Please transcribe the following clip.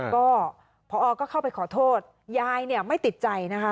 ก็พอก็เข้าไปขอโทษยายเนี่ยไม่ติดใจนะคะ